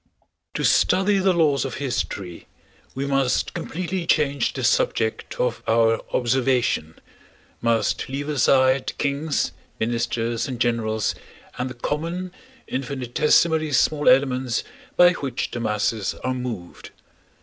To study the laws of history we must completely change the subject of our observation, must leave aside kings, ministers, and generals, and study the common, infinitesimally small elements by which the masses are moved.